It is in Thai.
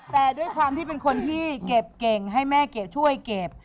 แต่ด้วยความที่เป็นคนที่เก็บเก่งให้แม่เก๋ช่วยเก็บ